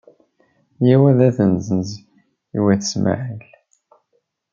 Yyaw ad t-nezzenz i wat Ismaɛil.